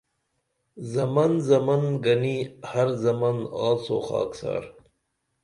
زمن زمن گنیں ہرزمان آڅو خاکسار